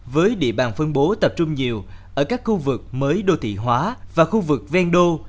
với địa bàn phân bố tập trung nhiều ở các khu vực mới đô thị hóa và khu vực ven đô